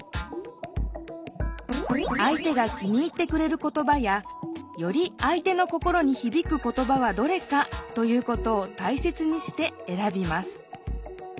あい手が気に入ってくれる言葉やよりあい手の心にひびく言葉はどれかということをたいせつにして選びます